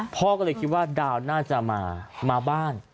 พ่อก็เลยคิดว่าดาวน่าจะมามาบ้าน